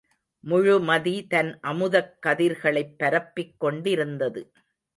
முழுமதி தன் அமுதக் கதிர்களைப் பரப்பிக் கொண்டிருந்தது.